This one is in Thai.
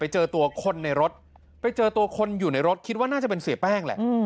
เจอตัวคนในรถไปเจอตัวคนอยู่ในรถคิดว่าน่าจะเป็นเสียแป้งแหละ